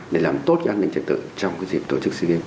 để làm tốt an ninh trật tự trong dịp tổ chức sea games